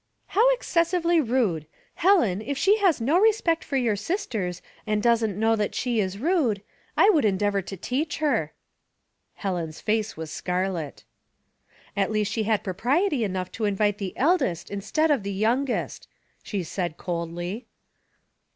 '' How excessively rude ! Helen, if she has no respect for your sisters, and doesn't know that she is rude, I would endeavor to teach her." Helen's face was scarlet. Theory, 43 " At least she had propriety enough to invite the eldest instead of the youngest," she said, coldly.